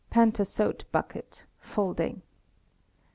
Pantasote bucket, folding.